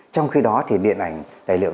trong khi đó thì điện ảnh tài liệu